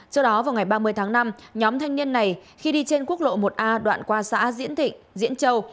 trước đó vào ngày ba mươi tháng năm nhóm thanh niên này khi đi trên quốc lộ một a đoạn qua xã diễn thịnh diễn châu